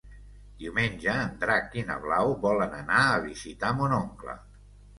Diumenge en Drac i na Blau volen anar a visitar mon oncle.